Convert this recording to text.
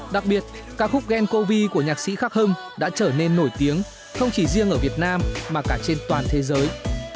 đặc biệt ca khúc gen covid của nhạc sĩ khắc hâm đã trở nên nổi tiếng không chỉ riêng ở việt nam mà cả trên toàn thế giới